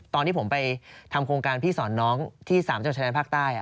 ตอนที่ผมไปทำโครงการพี่สอนน้องที่๓จังหวัดชายแดนภาคใต้